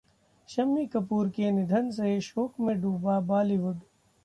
शम्मी कपूर के निधन से शोक में डूबा बालीवुड